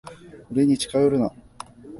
俺に近寄るな。